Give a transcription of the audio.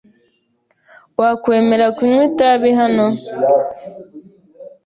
Wakwemera kunywa itabi hano?